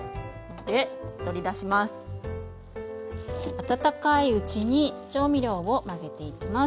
温かいうちに調味料を混ぜていきます。